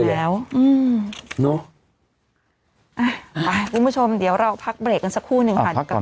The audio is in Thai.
สงสารแล้วพูดมาชมดีละเราพักเบลกกันสักครู่หนึ่งค่ะโอเคพักก่อน